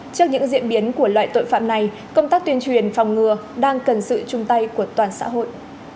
trước những diễn biến của loại tội phạm này công tác tuyên truyền phòng ngừa đang cần sự chung tay của toàn xã hội